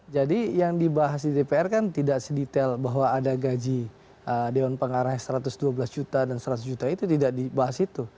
jadi yang dibahas di dpr kan tidak sedetail bahwa ada gaji dewan pengarah satu ratus dua belas juta dan seratus juta itu tidak dibahas itu